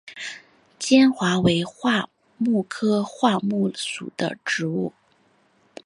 坚桦为桦木科桦木属的植物。